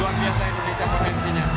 luar biasa indonesia potensinya